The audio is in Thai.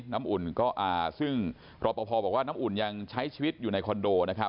น้ำอุ่นก็ซึ่งหลักประพอบอกว่าน้ำอุ่นยังใช้ชีวิตอยู่ในคอนโด